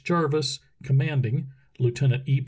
Jarvis, commanding. Lieutenant E.